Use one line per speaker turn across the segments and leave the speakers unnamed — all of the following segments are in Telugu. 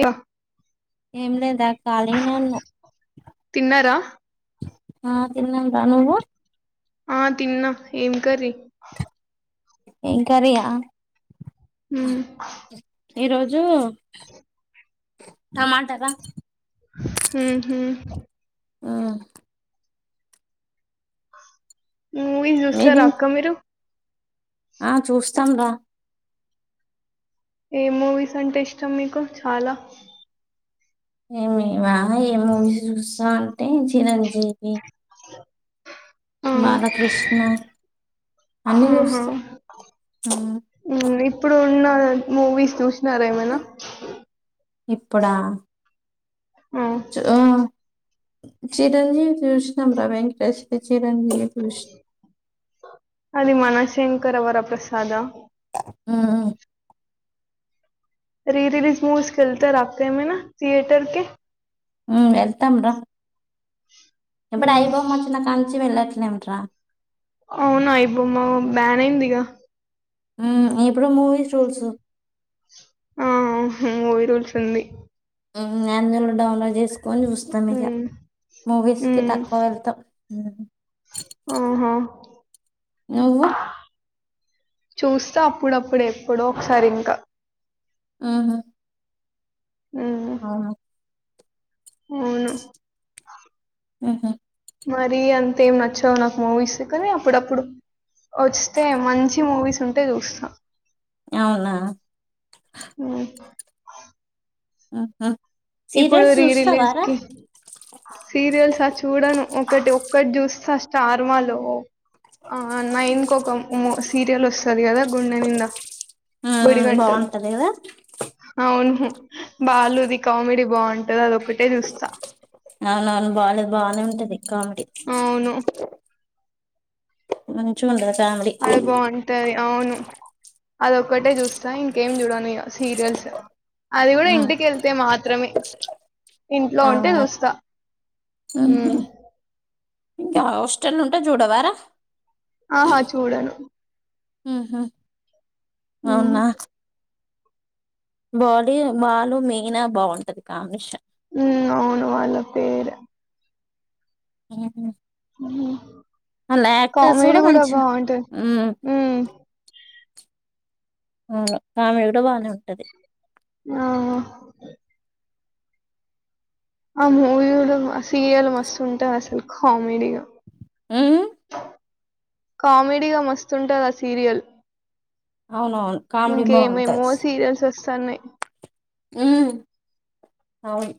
ఇగో
ఎంలేదా కాలీగానే ఉన్న
తిన్నారా
ఆ తిన్నాం రానువ్వు
ఆ తిన్నా ఏం కర్రీ
ఎం కర్రీ ఆ
మ్మ్
ఈ రోజు టమాటారా
హు హు
ఆ
మూవీస్ చూస్తారా
మీది
అక్క మీరు
ఆ చూస్తాం రా
ఏ మూవీస్ అంటే ఇష్టం మీకు చాలా
ఏమివా ఏ మూవీ చూస్తా అంటే చిరంజీవి
ఆ
బాలకృష్ణ అన్ని
ఆహా హు
చూస్తాం
ఇప్పుడు నిన్నా మూవీస్ చూసినారా ఏమైనా
ఇప్పుడా
ఆ
చ్ ఆ చిరంజీవి చుసినంరా వెంకటేష్ ది చిరంజీవి చూసిన
అది మనశంకర వర ప్రసాద
మ్ మ్మ్
రి రిలీజ్ మూవీస్ కేల్తరా అక్క ఏమైనా థియేటర్ కి
హు వెళ్తాం రా ఇప్పుడు ఐ
మ్మ్
బొమ్మోచ్చిన కంచ్చి వెళ్ళట్లెంరా
అవునా ఐ బొమ్మ బ్యాన్ అయిందిగా
హు ఇప్పుడు మూవీస్ రూల్సు
ఆ మూవీ రూల్స్ ఉంది
హు అందులో డౌన్లోడ్ చేసుకొని చూస్తాం ఇగ
మ్మ్
మూవీస్ కి
మ్మ్
తక్కువ వెళ్తాము
ఆహా
నువ్వు
చూస్తా అప్పుడప్పుడు ఎప్పుడో ఒకసారి ఇంకా
మ్ హు
ఉమ్
అవును
అవును
ఉహు
మరీ అంతే ఏం నచ్చావు నాకు మూవీస్ కానీ అప్పుడప్పుడు వస్తే మంచి మూవీస్ ఉంటే చూస్తా
అవునా
ఉమ్
ఆ ఆ
ఇప్పుడు రీరిలీజ్ కి సీరియల్స్ ఆ చూడను ఒకటి ఒ ఒకటి చూస్తా స్టార్ మా లో ఆ నైన్ ఒక సీరియల్ వస్తది కదా గుండె నిండా
ఆ
గుడి గంటలు
బాగుంటది కదా
అవును బాలు ది కామెడీ బాగుంటది అదొక్కటే చూస్తా
అవునవును బాలు బాగానే ఉంటది కామెడీ
అవును
మంచిగా ఉందా
అది బాగుంటాది అవును అదొక్కటే చూస్తా ఇంకేం చూడను ఇగ సీరియల్స్ అది కూడా
ఉమ్
ఇంటికి వెళ్తే మాత్రమే ఇంట్లో ఉంటే
అవునా
చూస్తా ఉ
ఉహు ఇంకా హాస్టల్ ఉంటె చూడవారా
ఆహా చూడను
ఉహు
మ్మ్
అవునా బాడి బాలు మీనా బాగుంటది కాంబినేషన్
హు అవును వాళ్ళ పేర్
ఏమీ
కామెడీ కూడా బాగుంటది
ఉమ్
ఉ
ఆ కామెడీ కూడా బాగానే ఉంటది
ఆ ఆ ఆ మూవీలు ఆ సీరియల్ మస్తు ఉంటాయి అసలు కామెడీగా
ఆ
కామెడీగా మస్తుంటది ఆ సీరియల్
అవునవును కామెడీ
ఇంకేమేమో సీరియల్స్ వస్తన్నాయి
ఉ అవును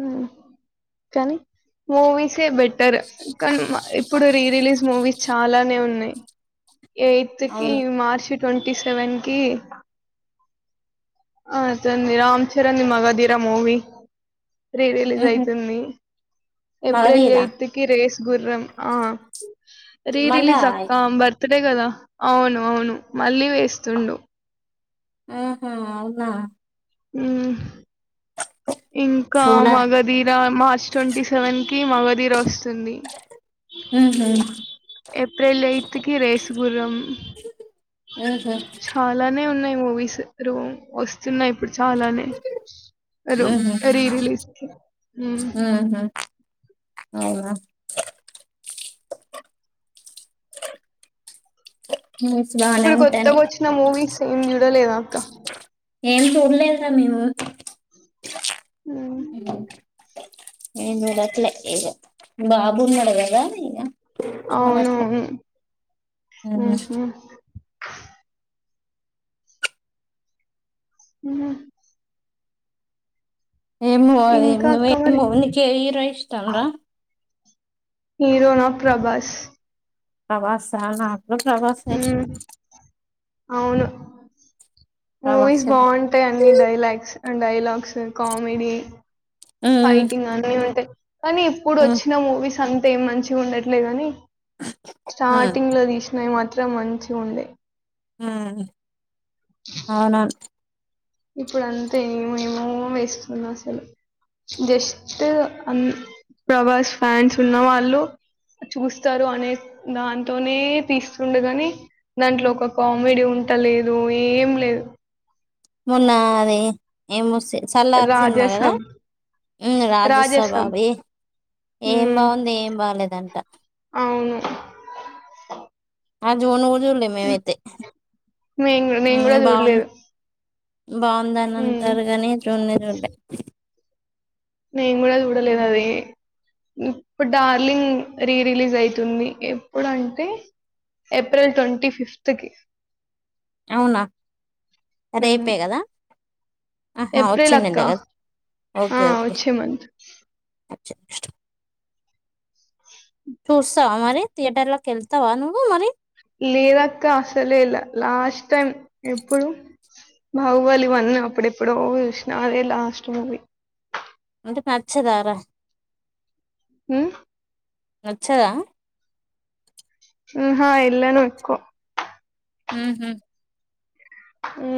ఉ కానీ మూవీసే బె టర్ కానీ ఇప్పుడు రీ రిలీజ్ మూవీస్ చాలానే ఉన్నాయి ఎయిత్ కి
అవును
మార్చి ట్వంటీ సెవెన్ కి ఆ అతని the Ram Charan the Magadheera movie re release
ఊహూ
అయతుంది ఏప్రిల్
మగధీరా
ఎయిత్ కి రేస్ గుర్రం ఆ రీ
మళ్ళా
రిలీజ్ అక్కాబర్ తదే కదా అవును అవును మళ్ళీ వేస్తుండు
ఉహు అవునా
ఊ ఇంకా
చూడ
మగదీర మార్చ్ ట్వంటీ సెవెన్ కి మగధీర వస్తుంది
ఊహూ
ఏప్రిల్ ఎయిత్ కి రేసుగుర్రం
ఉహు
ఉన్నాయి మూవీస్ రూ వస్తున్నాయి ఇప్పుడు చానానే రూ
ఊహూ
రీ రిలీజ్ ఉ
ఊహూ అవునా మూవీస్ బానే
ఇప్పుడు కొత్తగా
ఉంటానయి
వచ్చిన మూవీస్ ఏం చూడలేద అక్క
ఏం చూడలేదూర మేము
ఉమ్
ఉ ఎమ్ చూడట్లే ఇగ బాబు ఉన్నాడు కదా ఇగ చూడట్లే
అవునవును
ఉమ్.
ఉహు ఊ
ఏమో
ఇంకా
ఏవ
అక్క మరి
ఏమో నీకు ఎ హీరో ఇష్టం రా
హీరో నా ప్రభాస్
ప్రభాస నాకు కూడ ప్రభాసే
ఉమ్
ఇష్టం,
అవును మూవీస్
ప్రభాసే
బాగుంటాయి. అన్ని డైలాగ్స్, డైలాగ్స్ కామెడీ
హ్మ్
ఫైటింగ్ అన్ని ఉంటాయి. కానీ ఇప్పుడు
హ్మ్
వచ్చిన మూవీస్ అంతే ఏం మంచిగా ఉండట్లేదు, కాని
హ్మ్
స్టార్టింగ్ లో తీసినావి మాత్రం మంచి ఉండే,
హు అవునావును.
ఇప్పుడు అంతేమేమో వేస్తున్నాడు అసలు జస్ట్ ప్రభాస్ ఫ్యాన్స్ ఉన్న వాళ్ళు, చూస్తారు అనే దాంతోనే తీస్తుండగాని దాంట్లో ఒక కామెడీ ఉంట ఉంటా లేదు ఏం లేదు,
మొన్న అది ఏమ వస్త సల్లార్ సినిమా కదా,
రాజసబ్ రాజసబ్
రాజ్యసభవి ఏం
ఉమ్
బాగుంది ఏం బాగలేదంట,
అవును
ఆ చూడను కూడా చూలే మేమైతే
నేను కూడా-
ఉ
నేను కూడా
బాగున్నా,
చూడలేదు
బాగుందని
ఉమ్
అంటారు. కాని చూడనే చూలే,
నేను కూడా చూడలేదు అది ఇప్పుడు డార్లింగ్ రీ రిలీజ్ అయితుంది. ఎప్పుడు అంటే ఏప్రిల్ ట్వంటి ఫిఫ్త్ కి
అవునా
ఉమ్
రేపే కదా ఆహా
ఏప్రిల్ అక్క
వచ్చిందంట కధ
ఆ
ఓకే ఓకే
వచ్చే మంత్
[unintelligible] చూస్తావా మరి థియేటర్ లోకి వెళ్తావా నువ్వు మరి
లేదు అక్క అసలే ఎలా లాస్ట్ టైం ఎప్పుడు, బహుబలి వన్ అప్పుడు ఎప్పుడో చూసిన అదే లాస్ట్ మూవి,
అంటే నచ్చదారా,
హు
నచ్చదా
ఆహా వేళ్లను ఎక్కువ
ఉహు
ఉ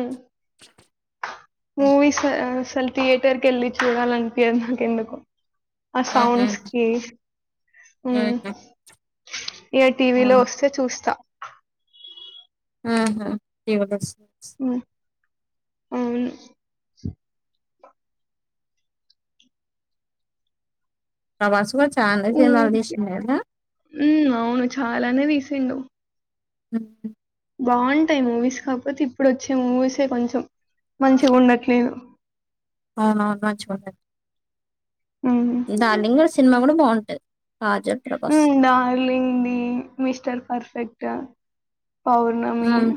మూవీస్ అస్ అసలు థియేటర్ క వెళ్ళి చూడాల అనిపియదు నాకు ఎందుకో, ఆ సౌండ్ కి ఉ ఇగా టీవీలో వస్తే చూస్తా,
[unintelligible]
ఉ అవును
ప్రభాస్ కూడా చాలానే సినిమా తీసిండు కదా,
ఉ అవును చాలానే తీసిండు,
[unintelligible]
బాగుంటాయి మూవీస్ కాకపోతే ఇప్పుడు వచ్చే మూవీసే కొంచెం, మంచిగా ఉండట్లేదు
అవునవును మంచి
ఉమ్
డార్లింగ్ సినిమా కూడా బాగుంటది. Kajal Prabhas
Darling the, Mr Perfect Pournami
ఉమ్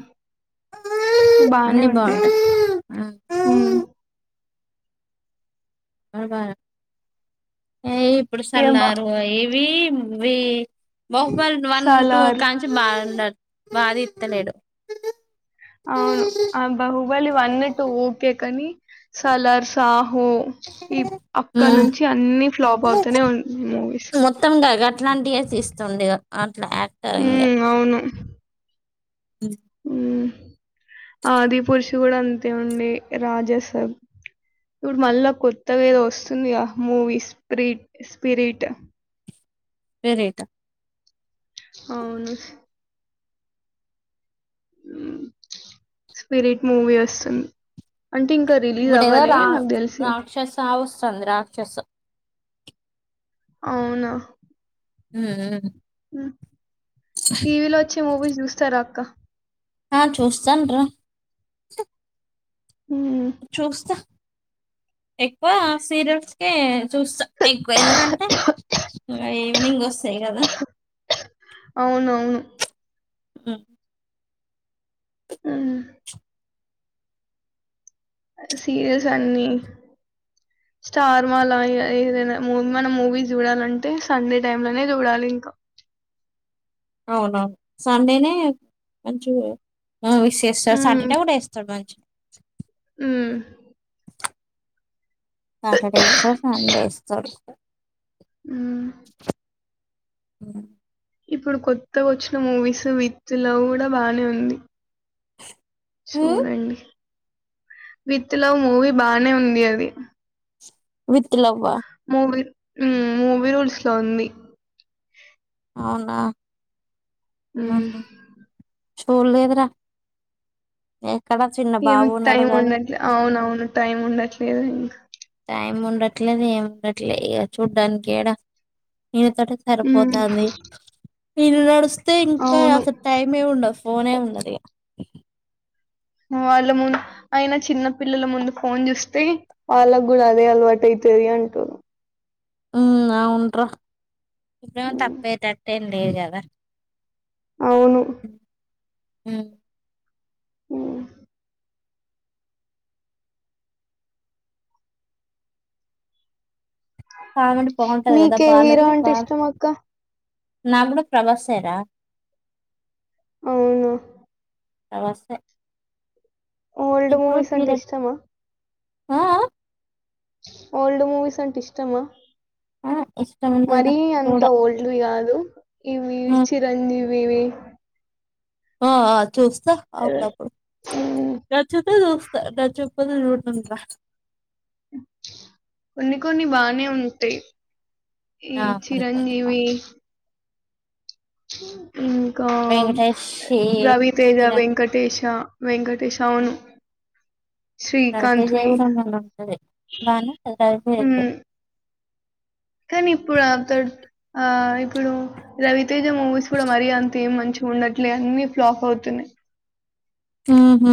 బానే
అన్ని
ఉంటాయి,
బాగుంటాయి ఉమ్
ఉ
అవా ఏ ఇప్పుడు
ఏం బా
సల్లార్ ఇవి వే బాహుబలి వన్ టూ
'సలార్'
కంచి బాగు బాగా తీతలేడు,
అవును ఆ బాహుబలి వన్ టు ఓకే కాని సలార్స, సహో హో ఇ
ఉమ్
అక్కన్నుంచి అన్నీ ఫ్లాప్ అవుతూనే ఉంది మూవీస్
మొత్తం గ గట్లాంటియే తీస్తుంది అ అట్లా యాక్టరింగ్
హ్మ్. ఊ ఆది పురుషు గూడా అంతే ఉంది రాజాసా పుడు మళ్ళ కొత్తగ ఏదో ఒస్సుంది గద మూవీ రీట్ స్పిరిట్
వెరేటా
అవును స్పిరీట్ మూవీ ఒస్సుంది అంటే ఇంకా రిలీజ్
ఇప్పుడు ఏదో
అవ్వాలే
రా
నాకు తెలిసి
రాక్షస వస్తుంది రాక్షస
అవునా
ఊఉ
టీవీలో ఒచ్చే మూవీస్ జూస్తారా అక్క
ఆ చూస్తాన్ రా హ్
హ్మ్.
చూస్తా ఎక్వా సీరియల్స్ కే చూస్తా ఎక్వ ఎందుకంటే ఇంగ ఈవినింగ్ ఒస్సయ్ గదా
అవునవును
ఉ
ఊ సీరియల్స్ అన్నీ స్టార్ మాల ఏం ఏదైనా మూ మనం మూవీ జూడాలంటే సండే టైమ్ లోనే జూడాలి ఇంకా.
అవునవును సండేనే మంచిగా ఆ [unintelligible]
హ్మ్.
సాటర్డే గూడా ఏస్తాడు మంచి
హ్మ్.
సాటర్డే ఇస్తడు సండే ఇస్తడు
ఊ
[unintelligible]
ఇప్పుడు కొత్తగ వచ్చిన మూవీస్ విత్ లవ్ గూడా బానే ఉంది
హ్మ్.
విత్ లవ్ మూవీ బానే ఉంది అది.
విత్ లవ్
మూవి ఊమ్ మూవీ రూల్స్ లో ఉంది
అవునా
ఊహ్
స్కూల్ లేదురా ఉ
ఏం టైం ఉండట్లే అవునవును టైం ఉండట్లేదు ఇంక
టైం ఉండట్లేదు, ఏం ఉండట్లే ఇక చూడ్డానికేడా. ఈయనతోటే
ఉమ్
సరిపోతాంది, ఈయన నడుస్తే ఇంకా
అవును
అస టైమే ఉండదు. ఫోనే ఉండది ఇగ
వాళ్ళ మున్ అయిన చిన్న పిల్లల ముందు ఫోన్ జూస్తే, వాళ్ళకు గూడా అదే అలవాటు అయి. [unintelligible]
ఊమ్ అవున్ రా ఇప్పేమొ తప్పేటట్టేం లేదు గదా
అవును
ఉ
ఊహ్
కామెడి బాగుంటది గదా
మీకే హీరో
బాలది
అంటే
బా
ఇష్టం అక్క
నా గూడ ప్రభాసే రా
అవును
అవస్థే
ఓల్డ్ మూవీస్ అంటే ఇష్టమా
ఊఉ
ఓల్డ్ మూవీస్ అంటే ఇష్టమా
ఆ ఇష్టం ఉంది కదా
మరీ
చూడ
అంత ఓల్డ్ ది కాదు ఇవి వి చిరంజీవివి
ఆ ఆ చూస్తా అప్పుడపడు చూస్తా రాచ్చప్పదో ఇంగా
కొన్ని కొన్ని బానే ఉంటాయ్ ఈ
ఆ కొన్ని కొన్ని
చిరంజీవి ఇంకా మ్
వెంకటేష్ వి
రవితేజ
చిరంజీవి
వెంకటేశా వెంకటేశ్ అవును
రవితేజ్
శ్రీకాంత్‌వి.
ఏమో సంబంద్ ఉంటది బానే ఉంటది
హ్మ్. కానీ ఇప్పుడు అతడు ఆ ఇప్పుడు రవితేజ మూవీస్ కూడా మరీ అంత ఏం మంచ్ ఉండట్లే అన్ని ఫ్లాప్ అవుతున్నాయ్
ఆ హ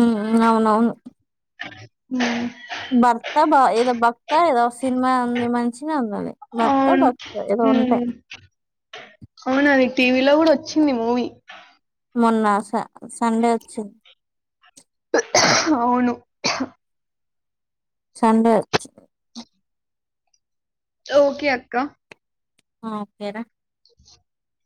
అవునవును
ఉ
భర్త బ ఏదో భక్త ఏదో సినిమా ఉంది మంచిగా ఉంది అది భర్త భక్త ఏదో
ఉ
ఉంటాయి
అవునాది టీవీలో కూడా వచ్చింది మూవీ
మొన్న స సండే వచ్చింది
అవును
సండే వచ్
ఓకే అక్కా
ఆ ఓకే రా
[inaudible]